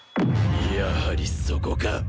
やはりそこか。